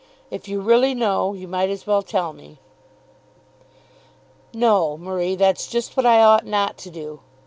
"If you really know, you might as well tell me." "No, Marie; that's just what I ought not to do.